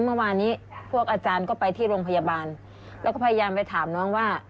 เมื่อวานนี้พวกอาจารย์ก็ไปที่โรงพยาบาลแล้วก็พยายามไปถามน้องว่า